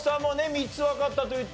３つわかったと言っていた。